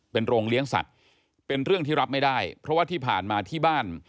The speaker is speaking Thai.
เป็นโรงเลี้ยงสัตว์เป็นเรื่องที่รับไม่ได้เพราะว่าที่ผ่านมาที่บ้าน